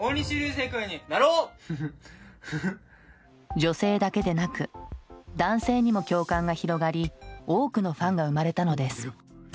女性だけでなく男性にも共感が広がり多くのファンが生まれたのです。